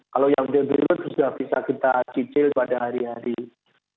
kalau yang di beirut sudah bisa kita cicil pada hari hari ini